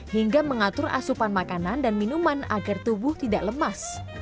hingga mengatur asupan makanan dan minuman agar tubuh tidak lemas